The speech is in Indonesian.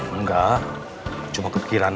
enggak cuma kepikiran aja